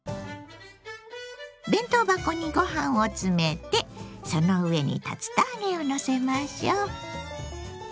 弁当箱にご飯を詰めてその上に竜田揚げをのせましょう。